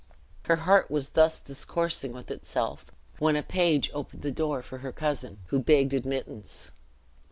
Her heart was thus discoursing with itself when a page opened the door for her cousin, who begged admittance.